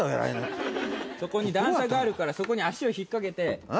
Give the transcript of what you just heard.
そこに段差があるからそこに足を引っ掛けて。